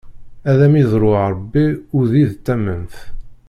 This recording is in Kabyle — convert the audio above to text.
Ad am iḍlu Ṛebbi udi d tamment!